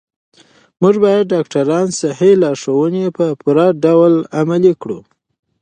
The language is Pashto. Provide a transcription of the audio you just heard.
موږ باید د ډاکترانو صحي لارښوونې په پوره ډول عملي کړو.